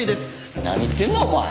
何言ってんだお前。